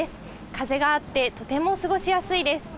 風があってとても過ごしやすいです。